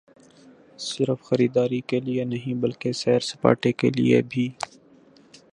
صرف خریداری کیلئے نہیں بلکہ سیر سپاٹے کیلئے بھی۔